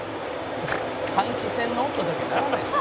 「換気扇の音だけ鳴らないですよ